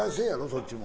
そっちも。